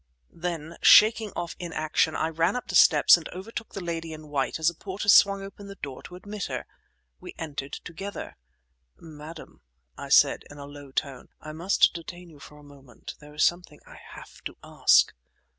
Then, shaking off inaction, I ran up the steps and overtook the lady in white as a porter swung open the door to admit her. We entered together. "Madame," I said in a low tone, "I must detain you for a moment. There is something I have to ask."